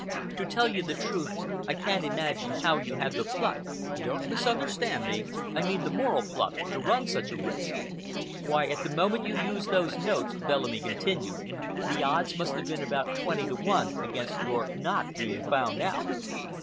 To tell you the truth, I can't imagine how you had the pluck—don't misunderstand me, I mean the moral pluck—to run such a risk. Why, at the moment you used those notes," Bellamy continued, "the odds must have been about twenty to one against your not being found out."